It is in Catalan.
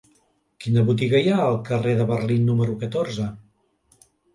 Quina botiga hi ha al carrer de Berlín número catorze?